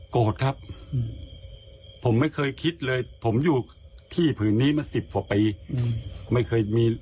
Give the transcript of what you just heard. โกรธครับผมไม่เคยคิดเลยผมอยู่ที่ผืนนี้มาสิบกว่าปีไม่เคยมี